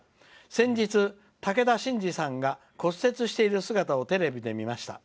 先日、武田真治さんが骨折している姿をテレビで見ました。